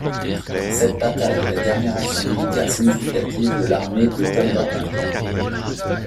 Cette bataille est la dernière action militaire significative de l'Armée du Cumberland.